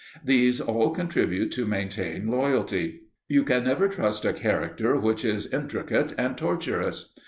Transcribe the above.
These all contribute to maintain loyalty. You can never trust a character which is intricate and tortuous.